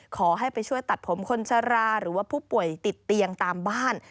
ขอให้ไปช่วยตัดผมคนชะลาหรือว่าผู้ป่วยติดเตียงตามบ้าน